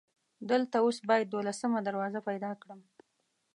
دلته اوس باید دولسمه دروازه پیدا کړم.